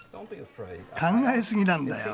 考えすぎなんだよ。